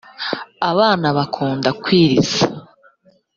abana bakunda kwiriza.